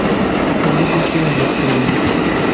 Ulac asirem deg ḥellu-ines.